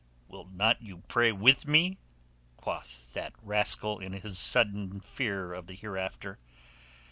"Will not you pray with me?" quoth that rascal in his sudden fear of the hereafter.